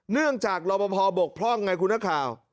เนื่องจากรอบบกเพราะไงคุณนักข่าว